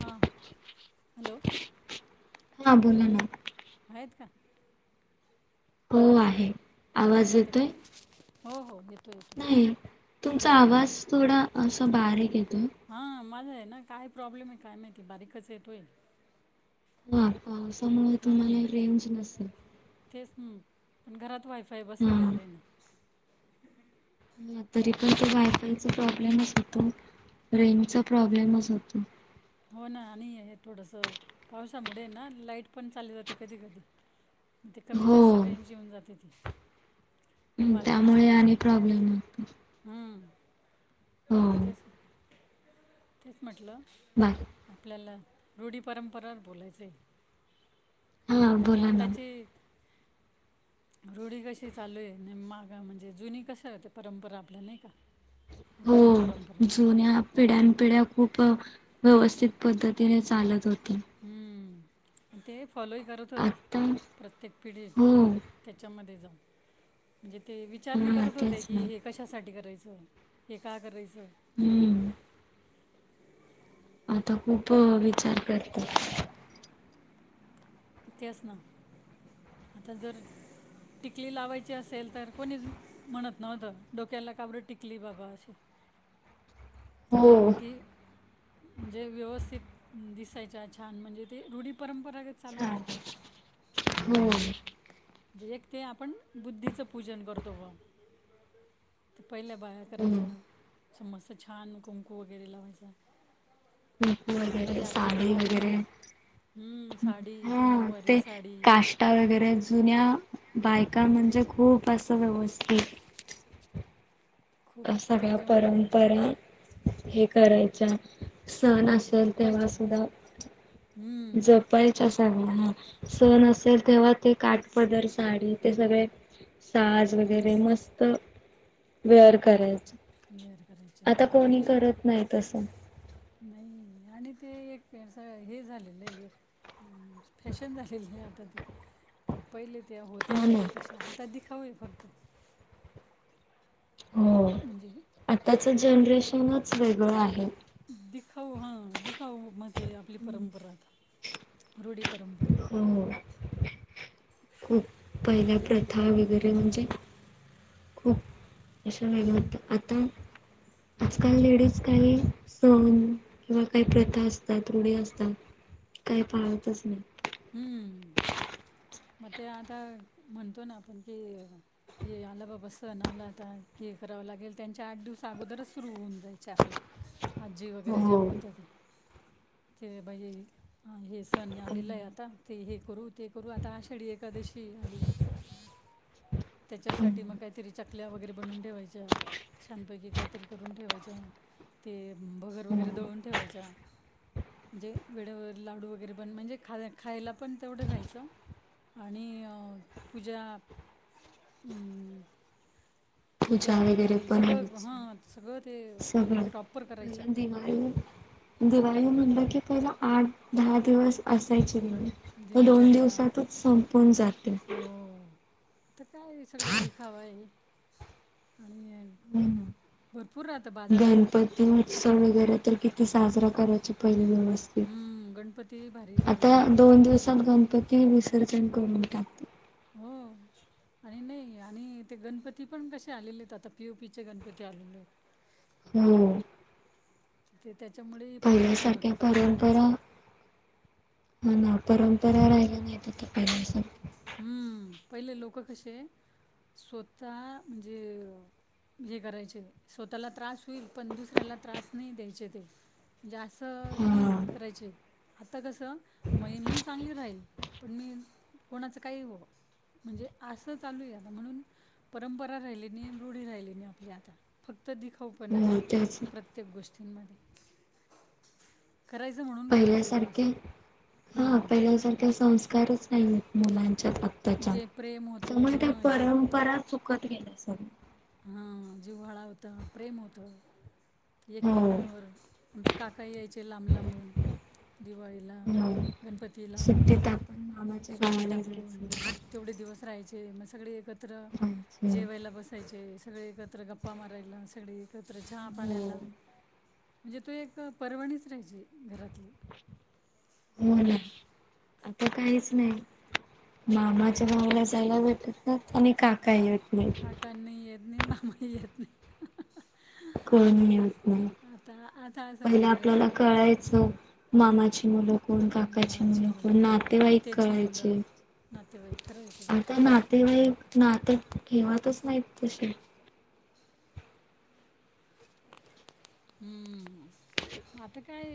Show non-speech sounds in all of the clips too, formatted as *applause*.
हा, हॅलो? हा, बोला ना. आहेत का? हो.., आहे. आवाज झोपल्या होते का? येतोय? हो-हो. नाही तुमचा आवाज थोडा असा बारीक येतो. हां माझं आहे ना काय प्रॉब्लेम आहे काय माहिती बारीकच येतो ये. हा पावसामुळे तुम्हाला रेंज नसेल. तेच न पण घरात वायफाय हां. बसवलेलं आहे ना. ह तरी पण त वायफायचा प्रॉब्लेमच होतो रेंजचा प्रॉब्लेमच होतो. हो, ना. आणि हे थोडंसं पावसामुळे ना, लाईट पण चालली जाते कधी-कधी. मग ते हो कमी-जास्त रेंज येऊन जाते ती. हं वायफायची, त्यामुळे आणि प्रॉब्लेम होतो. हम्म.. हो तेच ना. तेच, म्हटलं. बाय. आपल्याला रूढी-परंपरावर बोलायचं आहे. हां तर बोला ना. आताचे रूढी कशी चालू आहे. माग म्हणजे जुनी कसं आहे ते परंपरा आपल्या नाही का. हो रूढी परंपरा जुन्या पिढ्यानपिढ्या खूप व्यवस्थित पद्धतीने चालत होत. हम्म ते फॉलोही करत होते आता प्रत्येक पिढी. हो त्याच्यामध्ये जाऊन म्हणजे ते विचारणे हां करत होते तेच की ना. हे कशासाठी करायचं हे का करायचं? हम्म. आता खूप विचार करतात. इ तेच ना आता जर टिकली लावायची असेल तर कोणी म्हणत नव्हतं डोक्याला काब्रत टिकली बाबा अशी तर हो. ते म्हणजे व्यवस्थित दिसायच्या छान म्हणजे ते रूढी परंपरागत चालू होत्या. *inaudible* चालेल. हो म्हणजे एक ते आपण बुद्धीचं पूजन करतो ग ते पहिल्या बाया करायच्या हम्म. अस मस्त छान कुंकू वगैरे लावायच्या. टिप माजी वगैरे आजी त साडी भारी वगैरे कुक हम्म साडी ती ह नऊवारी ते साडी काष्ट टा वगैरे जुन्या बायका म्हणजे खूप असं व्यवस्थित खूप का सगळ्या त्यांच्यामध्ये परंपरा हे करायच्या सण असल तेव्हा जपायच्या बा सुद्धा. असं हम्म. पायच्या सगळ्या ह सण असेल तेव्हा ते काटपदर साडी ते सगळे साज वगैरे नेस मस्त वेअर वेअर करायच्या करायच्या आता कोणी आणि ते करत नाही तसं. नाही आणि ते एक हे झालेलं आहे एक हम फॅशन झालेली आहे आता ती तर पहिले त्या होत्या हा त्या ना तश्या आता दिखावाय फक्त. हो म्हणजे आताचं जनरेशनच वेगळं आहे. दिखाऊ हा दिखाऊ मते आप आपली परंपरा आता रूढी परंपरा हो खूप पहिल्या प्रथा वगैरे म्हणजे खूप असं वेगळं होतं आता आजकाल लेडीज काही सोण किंवा काही प्रथा असतात रुढी असतात काही पाहतच नाही. हम्म मग ते आता म्हणतो ना आपण कि ये आला बाबा सण आला आता हे करावं लागेल त्यांच्या आठ दिवस अगोदरच सुरु होऊन जायच्या आपल्या. आजी वगैरे ज्या हो होत्या त्या. के बाई हे सण यालेला हाय आ आता ते हे करू ते करू आता आषाढी एकादशी आली. हो त्याच्यासाठी मग काहीतरी चकल्या वगैरे बनवून ठेवायच्या. छानपैकी काहीतरी करून ठेवायच्या ते भगर वगैरे दळून ठेवायच्या. म्हणजे वेळेवर लाडू वगैरे पण म्हणजे खा खायला पण तेवढं राहायचं आणि पूजा हम्म. पूजा वगैरे पण सगळं हां सगळं ते व्हायची सगळं प्रॉपर करायच्या पहिलं दिवाळी दिवाळी म्हणलं की पहिला आठ दहा दिवस असायची नाही म दोन दिवसांतच संपून जाते. हो हम आता काय सगळं दिखाव आहे. आणि ना. भरपूर रात गणपती उत्सव वगैरे तर किती साजरा करायचे पहिले दिवस हम्म गणपती भारी साजरा व्हायचा. तर गणपती विसर्जन करून टाक हो. आणि नाही आणि ते गणपती पण कसे आलेले आहेत आता पी ओ पीचे गणपती आलेले आहेत. हो. ते त्याच्यामुळे प्रदूषण पहिल्यासारख्या होतं परंपरा पाण्याचं. हा ना परंपरा राहिला नाही आता पहिल्यासारख हम्म पहिले लोकं कसे स्वतः म्हणजे हे करायचे स्वतःला त्रास होईल पण दुसऱ्याला त्रास नाही द्यायचे ते जास्त नाही हा. करायचे आता कसं महे मी चांगली राहील पण मी कोणाचं काही हो म्हणजे असं चालू आहे आता म्हणून परंपरा राहिली नाही नी रूढी राहिली नाही आपली आता फक्त दि खाऊ पण नाही हो तेच प्रत्येक गोष्टी करायच म्हण पहिल्यासारख्ये हा पहिल्यासारख्या संस्कारच नाही आहेत मुलांच्यात त्याच्यात जे प्रेम होतं त्यामुळे त्या हां जीव परंपरा चुकत गेल्या सग हा जीव्हाळा होत प्रेम होत हो. एकमेकांवर आमचे काकाही यायचे लांब लांबून दिवाळीला हो. गणपतीला सुट्टीत आपण मामाच्या सुट्टी गावाला जायचो. टाकून. तेवढे दिवस राहायचे मग सगळे एकत्र जायचं. जेवायला बसायचे सगळे एकत्र कत्र गप्पा मारायला सगळी एकत्र चहा हो पाण्याला म्हणजे तो एक पर्वणीच राहायची घरातली. हो ना आता काहीच असं नाही. मामाच्या भारी भांवाला वाटायचं सवड नाय भेटत ना आणि काकाही यण काकनी येत नाही मामाही येत नाही. कोणी येत नाही असं आता आता असं होऊन पहिले गेलेलं आहे आपल्याला ना कळायचं मामाची मुल कोण काकाची मामाची मुलं कोण नातेवाईक आत्याची मुलं कळायचे नातेवाईक खरं आहे ते आता नाते तेवाइक नाते ठेवतच नाहीत तसे हम्म आता काय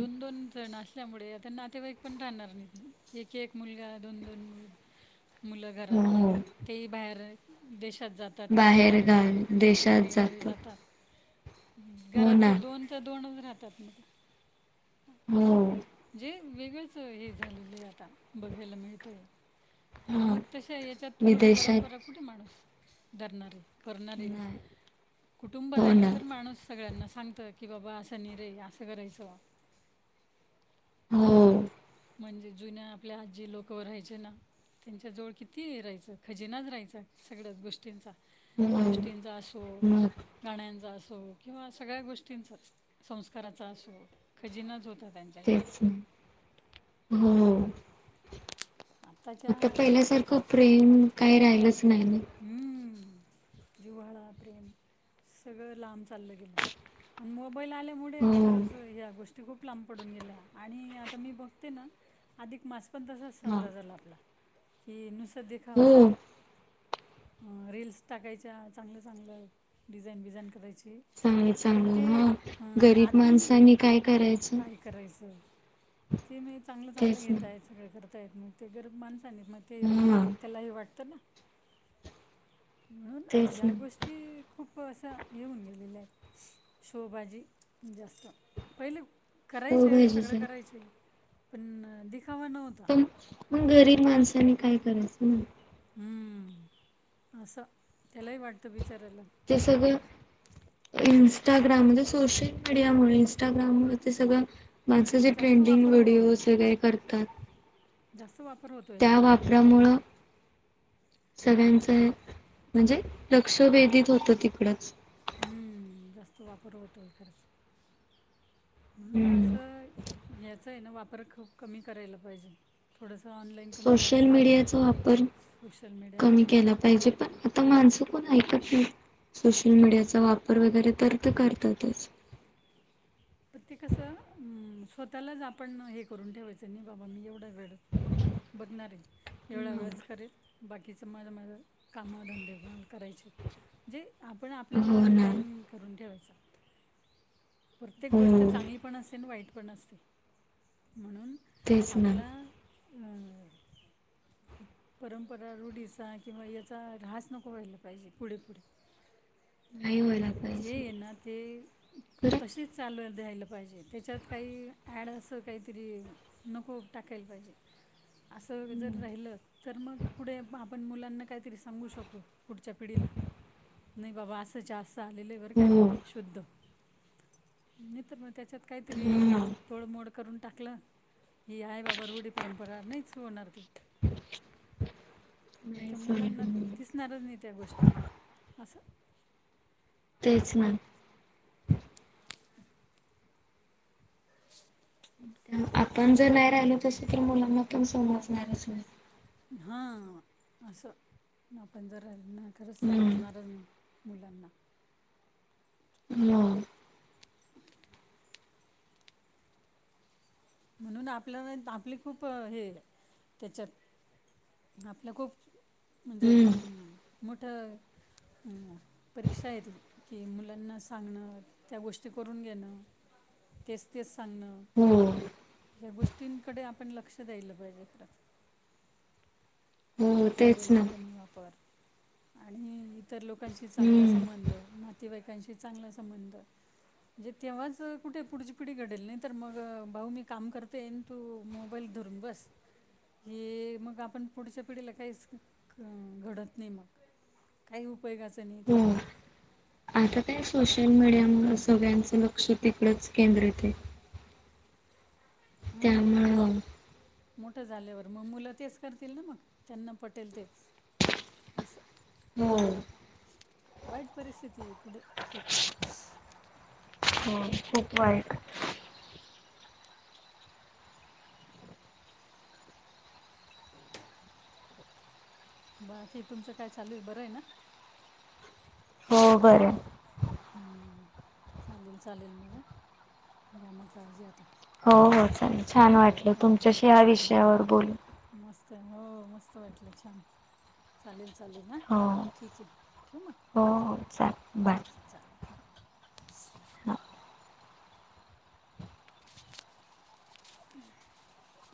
दोन दोन जण अस त्यामुळे आता नातेवाईक पण राहणार नाही एक एक मुलगा दोन दोन मुलग मुलं घरात हो. तेही बाहेर देशात जातात. जातात किंवा बाहेर गावी देशात बाहेरगावी जातात. हो घरात ना ते दोन तर दोनच राहतात मग. असं हो जे वेगळंच हे झालेलं आहे आता बघायला मिळतय. आणि हा मग तशा याच्यात तुरुडी विदेशात परंपरा कुठे माणूस धरणारे? करणारे नाही कुटुंब हो राहिलं ना तर माणूस सगळ्यांना सांगतं की बाबा असं नाही रे असं करायचं. म्हणजे हो म्हणजे जुन्या आपल्या आजी लोक व राहायचे ना त्यांच्या जवळ किती राहायचं खजिनाच राहायचा सगळ्याच गोष्टींचा. हो गोष्टींचा असो मग गाण्यांचा असो किंवा सगळ्या गोष्टींचा संस्काराचा असो खजिनाच होता त्यांचा तेच ना हो. आत्ताच्या आता पहिल्यासारखं प्रेम काही राहिलंच नाही ना हम्. जिव्हाळा प्रेम सगळं लांब चाललं गेलं आणि मोबाईल आ मूळे हे ना हो खरच ह गोष्टी खूप लांब पडून गेल्या आणि आता मी बघते ना आधिक मास् पण तसाच हा साजरा झाला आपला कि नुसत हो देखावासाठी रील्स टाकायच्या चांगलं चांगलं डिझाईन बिझाईन करायची चांगल पण ते चांगलं हा अं, गरीब माणसांनी काय करायचं? करायच ते चांगलं चांगलं तेच घताय ना सगळ करताय मग ते गरीब मा नाही नाही मग ते हा त्यालाही वाटतं ना *unintelligible* म्हणून तेच या ना गोष्टी *unintelligible* ते खूप असं येऊन गेलेलं आहेत शोवभाजी जास्त *unintelligible* पहिले करायचे शेवभाजीच सगळं करायचे पण दिखावा नव्हतो पण मग गरीब माणसानी काय करायचं *unintelligible* हम्म असं त्यालाही वाटतं बिचाराला *unintelligible* ते सळं *unintelligible* इं्स्टाग्राम म्हणजे सोशल मीडियामुळे इं्स्टाग्राम व ते सगळं *unintelligible* माझं जे जास्त ट्रेंडिंग वापर व्हिडिओज होतोय वगैरे करतात *unintelligible* जास्त वापर होतो *unintelligible* त्या वापरामुळं *unintelligible* सगळ्यांचं हे म्हणजे लक्षभेधित होतं तिकडच *unintelligible* हम्मम जास्त वापर होतोय खरंच *unintelligible* म्हणून हम्म असं याचा आहे ना वापर खूप कमी करायला पाहिजे थोडस ऑनलाईन कमी सोशल राहायचं मीडियाचा वापर सोशल मीडिया कमी हां केला पाहिजे पण *unintelligible* माणसं कोण ऐकत नाही सोशल मीडियाचा वापर वगैरे तर तर करतातच *unintelligible* प ते कसं स्वतःलाच आपण हे करून ठेवायचं नाही बाबा मी एवढा वेळ *unintelligible* बघणारे एवढा वेळच करेल *unintelligible* बाकीच मज मज काम धे कोणाल *unintelligible* करायचे जे आपण आपल्याला हो ना टाईम करून ठेवायचा *unintelligible* प्रत्येक गोष्ट हो चांगली पण असते आणि वाईट पण असते म्हणून तेच ना आपला हम *unintelligible* परंपरा रूढीचा किंवा याचा र्हास नको व्हायला पाहिजे पुढे पुढे *unintelligible* नाही बला *unintelligible* ज ये ना ते *unintelligible* तशीच चालू रा्यायला पाहिजे त्याच्यात काही ॲड असं काहीतरी *unintelligible* नको टाकायला पाहिजे असं जर राहिलं *unintelligible* तर मग पुढे आपण मुलांना कायतरी सांगू शकू पुढच्या पिढीला *unintelligible* नाही बाबा असंच *unintelligible* व का हो शुद्ध नाही तर मग त्याच्यात काहीतरी हा *unintelligible* तोडमोड करून टाकलं हेि आय बाबा *unintelligible* बरडी परंपरा नाहीच होणार नाही मुलांना समजणार असणारच नाही त्या गोष्टी मग असं *unintelligible* तेच मॅग *unintelligible* आपण जर नाही राहिलो तस तर मुलांना पण समजणारच नाही *unintelligible* हा असं आपण जर खरंच हम्म समजणारच नाही *unintelligible* मुलांना *unintelligible* हं *unintelligible* म्हणून आपल्या आपली खूप हे त्याच्यात *unintelligible* आपलं खूप म्हणजे हम्म अ मोठं अं *unintelligible* परीक्षा येततील की मुलांना सांगणं त्या गोष्टी करून घेणं *unintelligible* तेच तेच सांगणं *unintelligible* हम्म *unintelligible* या गोष्टींकडे आपण लक्ष द्यायलं पाहिजे खरंच *unintelligible* हो तेच ना. मोबाईलचा पण वापर आणि *unintelligible* इतर लोकांशी चांगला हम्म संबंध नातेीवाईकांशी चांगला संबंध *unintelligible* म्हणजे तेव्हाच कुठे पुढची पिढी घडेल नाही तर मग भाऊ मी काम करतेन *unintelligible* तू मोबाईल धरून बस हे मग आपण पुढच्या *unintelligible* *unintelligible* ककडीला काहीच घडत नाही मग काही उपयोगाचं नाही ते हो *unintelligible* आता काय सोशल मीडियामुळ सगळ्यांचं लक्ष तिकडंच केंद्रित आहे *unintelligible* हा आणि त्यामुळं मग मोठं झाल्यावर मग मुलं तेच करतील ना मग त्यांना पटेल तेच असं. हो. वाईट परिस्थिती आहे पुुढे खूप. हो खूप वाईट. बाकी तुमचं काय चालू आहे बरं आहे ना? हो बरंय. हं चालेल चालेल मग घ्या काळजी आता. हो हो चालेल हं. छान वाटलं ओके तुमच्याशी या छान विषयावर बोलून. मस्त हो मस्त वाटलं छान चालेल चालेल ना. हो ठीक आहे ठेवु मग? हो हो चालेल. बाय ठीक आहे चालेल बाय. हां *inaudible*